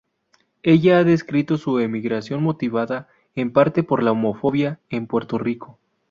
Ella ha descrito su emigración motivada en parte por la homofobia en Puerto Rico.